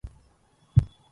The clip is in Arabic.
لما رأيت الليل قد تشزرا